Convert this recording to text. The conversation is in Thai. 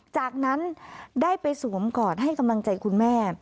จากนั้นได้ไปสู่อำกราศให้กำลังใจคุณแม่